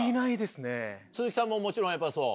鈴木さんももちろんやっぱそう？